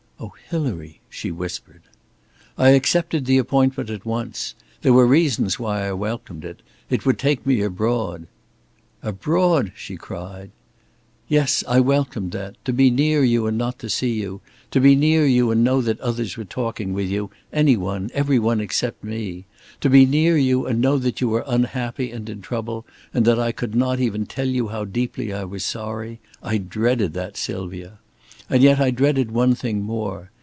"Oh, Hilary!" she whispered. "I accepted the appointment at once. There were reasons why I welcomed it. It would take me abroad!" "Abroad!" she cried. "Yes, I welcomed that. To be near you and not to see you to be near you and know that others were talking with you, any one, every one except me to be near you and know that you were unhappy and in trouble, and that I could not even tell you how deeply I was sorry I dreaded that, Sylvia. And yet I dreaded one thing more.